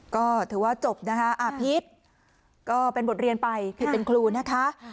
ก็ถือว่าจบนะคะอาพิษก็เป็นบทเรียนไปผิดเป็นครูนะคะ